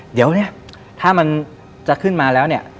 เดี๋ยวเนี่ยถ้ามันจะขึ้นมาแล้วเนี่ย